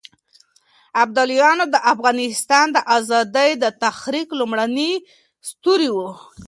ابداليان د افغانستان د ازادۍ د تحريک لومړني ستوري وو.